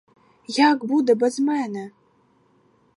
Як буде без мене?!